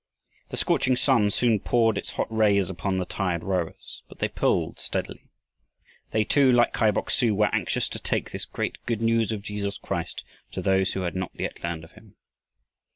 The scorching sun soon poured its hot rays upon the tired rowers, but they pulled steadily. They too, like Kai Bok su, were anxious to take this great good news of Jesus Christ to those who had not yet learned of him.